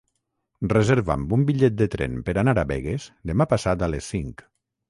Reserva'm un bitllet de tren per anar a Begues demà passat a les cinc.